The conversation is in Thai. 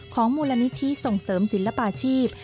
ของมูลนิธิส่งเสริมศิลปาชีพ